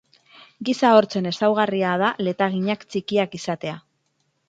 Giza hortzen ezaugarria da letaginak txikiak izatea.